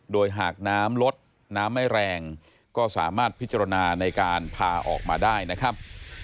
โดยหากน้ำลดน้ำไม่แรงก็สามารถพิจารณาในการพาออกมาได้นะครับ